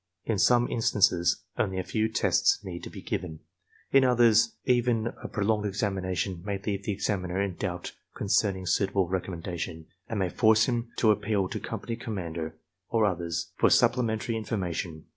In some instances only a few tests need be given, in others, even a prolonged examination may leave the examiner in doubt con cerning suitable recommendation, and may force him to appeal to company commander or others for supplementary informa tion.